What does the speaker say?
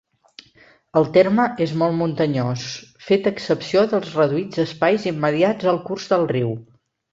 El terme és molt muntanyós, feta excepció dels reduïts espais immediats al curs del riu.